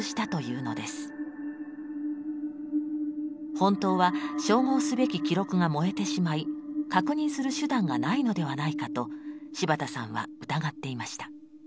本当は照合すべき記録が燃えてしまい確認する手段がないのではないかと柴田さんは疑っていました。